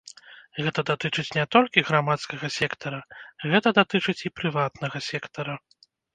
Гэта датычыць не толькі грамадскага сектара, гэта датычыць і прыватнага сектара.